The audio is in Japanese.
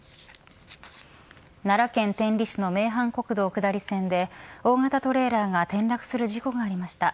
奈良県天理市の名阪国道下り線で大型トレーラーが転落する事故がありました。